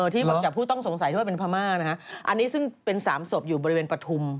ที่บอกจากผู้ต้องสงสัยด้วยเป็นพม่านะฮะอันนี้ซึ่งเป็นสามศพอยู่บริเวณปฐุม